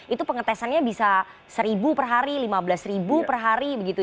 itu pengetesannya bisa seribu per hari lima belas ribu per hari begitu